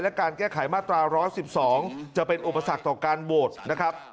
และการแก้ไขมาตรา๑๑๒จะเป็นอุปสรรคต่อการโหวตนะครับ